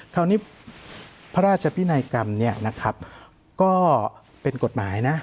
คราวนี้พระราชพินัยกรรมเนี่ยนะครับก็เป็นกฎหมายนะ